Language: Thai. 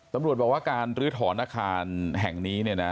ตำรวจบอกว่าการลื้อถอนอาคารแห่งนี้